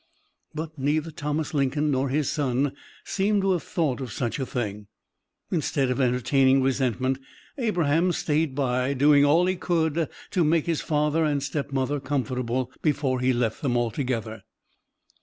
But neither Thomas Lincoln nor his son seems to have thought of such a thing. Instead of entertaining resentment, Abraham stayed by, doing all he could to make his father and stepmother comfortable before he left them altogether.